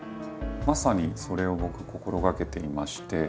まさにそれを僕心がけていまして。